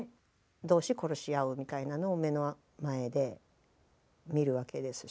同士殺し合うみたいなのを目の前で見るわけですし。